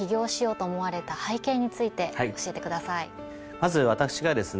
まず私がですね